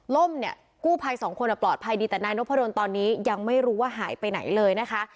เนี่ยกู้ภัยสองคนปลอดภัยดีแต่นายนพดลตอนนี้ยังไม่รู้ว่าหายไปไหนเลยนะคะ